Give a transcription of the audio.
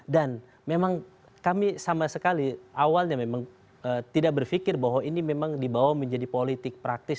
dan memang kami sama sekali awalnya memang tidak berfikir bahwa ini memang dibawa menjadi politik praktis